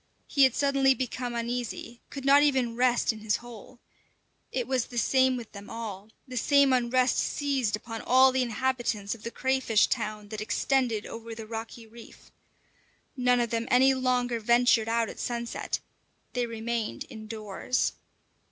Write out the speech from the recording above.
He had suddenly become uneasy, could not even rest in his hole. It was the same with them all; the same unrest seized upon all the inhabitants of the crayfish town that extended over the rocky reef. None of them any longer ventured out at sunset; they remained indoors.